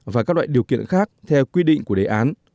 và các loại điều kiện khác theo quy định của đề án